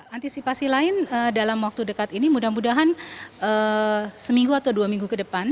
antisipasi lain dalam waktu dekat ini mudah mudahan seminggu atau dua minggu ke depan